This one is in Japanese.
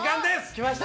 来ました。